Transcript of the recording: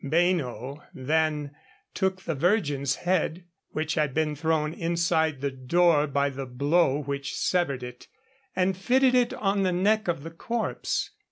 Beino then took the virgin's head (which had been thrown inside the door by the blow which severed it) and fitted it on the neck of the corpse.